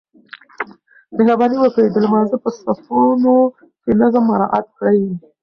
مهرباني وکړئ د لمانځه په صفونو کې نظم مراعات کړئ.